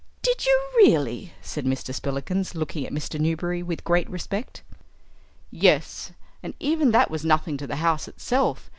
"Did you really!" said Mr. Spillikins, looking at Mr. Newberry with great respect. "Yes, and even that was nothing to the house itself.